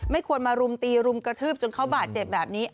ควรมารุมตีรุมกระทืบจนเขาบาดเจ็บแบบนี้